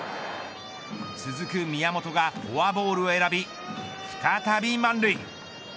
続く宮本がフォアボールを選び再び満塁。